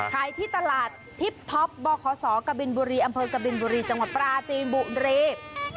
ขายที่ตลาดทิพท็อปบขศกบินบุรีอำเภอกบินบุรีจังหวัดปราจีนบุรี